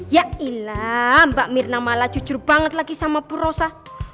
ya ilah mbak mirna malah cucur banget lagi sama purosa